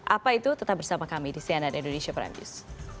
apa itu tetap bersama kami di cnn indonesia prime news